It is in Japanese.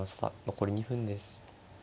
残り２分です。